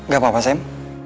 gak apa apa sam